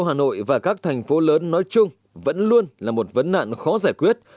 hà nội và các thành phố lớn nói chung vẫn luôn là một vấn nạn khó giải quyết